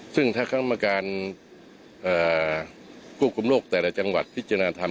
ซึ่งถ้ากรรมการควบคุมโรคแต่ละจังหวัดพิจารณาธรรม